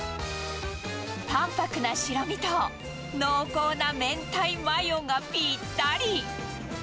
淡白な白身と濃厚な明太マヨがぴったり。